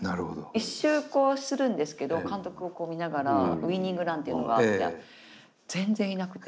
１周するんですけど監督を見ながらウイニングランっていうのがあって。